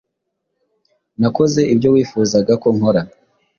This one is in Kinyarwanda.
Nakoze ibyo wifuzaga ko nkora.